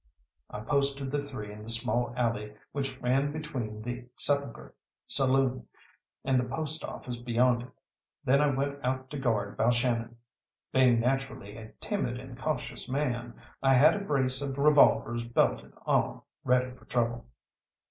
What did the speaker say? I posted the three in the small alley which ran between the "Sepulchre" saloon and the post office beyond it. Then I went out to guard Balshannon. Being naturally a timid and cautious man, I had a brace of revolvers belted on ready for trouble.